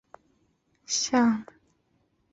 一楼大厅左边墙上挂着蔡锷画像。